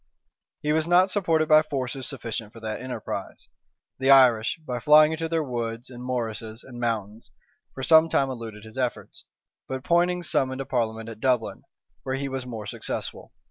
He was not supported by forces sufficient for that enterprise: the Irish, by flying into their woods, and morasses, and mountains, for some time eluded his efforts; but Poynings summoned a parliament at Dublin, where he was more successful.